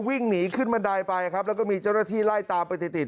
วิ่งหนีขึ้นบันไดไปครับแล้วก็มีเจ้าหน้าที่ไล่ตามไปติดติด